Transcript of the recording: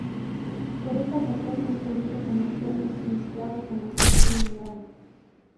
Por esta razón es vendido comercialmente mezclado con aceite mineral.